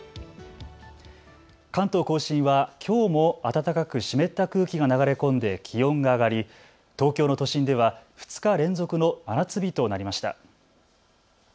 関東甲信はきょうも暖かく湿った空気が流れ込んで気温が上がり東京の都心では２日連続の真夏日となりました。